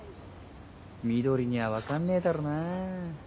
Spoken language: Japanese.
みどりには分かんねえだろな。